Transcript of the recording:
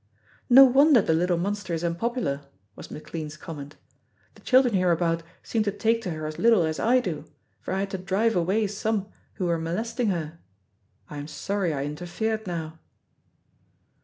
"No wonder the little monster is unpopular," was McLean's comment. "The children hereabout seem to take to her as little as I do, for I had to drive away some who were molesting her. I am sorry I interfered now."